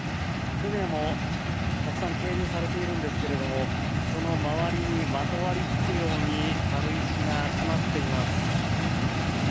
船もたくさん係留されているんですがその周りにまとわりつくように軽石が集まっています。